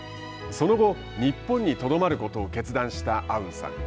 その後、日本にとどまることを決断したアウンさん。